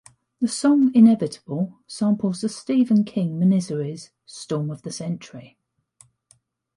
The song "Inevitable" samples the Stephen King miniseries "Storm of the Century.